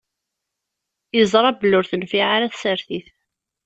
Yeẓṛa belli ur tenfiɛ ara tsertit.